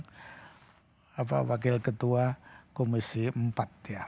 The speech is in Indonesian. jadi bagian dari ketua komisi empat ya